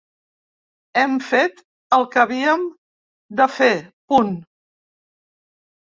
Hem fet el que havíem de fer, punt.